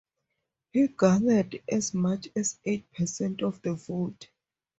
He garnered as much as eight percent of the vote.